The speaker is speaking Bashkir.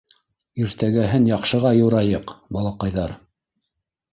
Иртәгәһен яҡшыға юрайыҡ, балаҡайҙар.